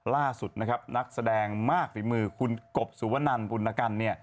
ล่าสุดนะครับนักแสดงมากฝีมือคุณกบสุวนันบุญกัน